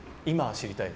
知りたい？